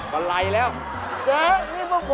พี่เก๋พี่เก๋